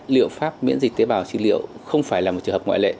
liệu pháp miễn dịch tế bào trị liệu không phải là một trường hợp ngoại lệ